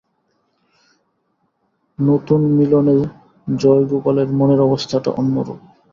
নূতন মিলনে জয়গোপালের মনের অবস্থাটা অন্যরূপ।